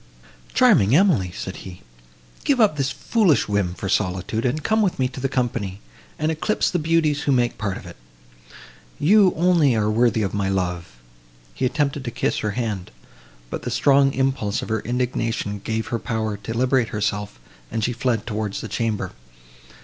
"Charming Emily!" said he, "give up this foolish whim for solitude, and come with me to the company, and eclipse the beauties who make part of it; you, only, are worthy of my love." He attempted to kiss her hand, but the strong impulse of her indignation gave her power to liberate herself, and she fled towards the chamber.